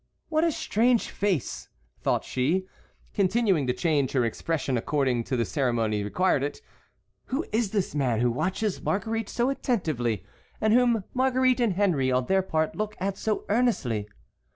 "What a strange face!" thought she, continuing to change her expression according as the ceremony required it. "Who is this man who watches Marguerite so attentively and whom Marguerite and Henry on their part look at so earnestly?"